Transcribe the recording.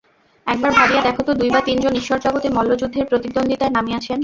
একবার ভাবিয়া দেখ তো দুই বা তিন জন ঈশ্বর জগতে মল্লযুদ্ধের প্রতিদ্বন্দ্বিতায় নামিয়াছেন।